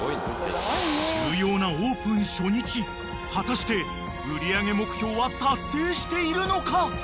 ［重要なオープン初日果たして売り上げ目標は達成しているのか］